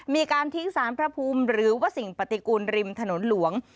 มีการทิ้งสารพระภูมิหรือว่าสิ่งปฏิกูลริมถนนหลวง